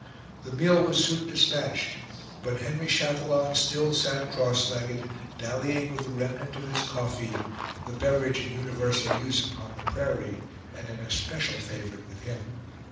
The meal was soon dispatched; but Henry Chatillon still sat cross legged, dallying with the remnant of his coffee, the beverage in universal use upon the prairie, and an especial favorite with him.